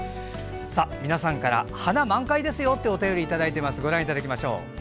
皆さんから花満開ですよというお便りいただいています。